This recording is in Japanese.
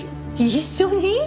一緒に？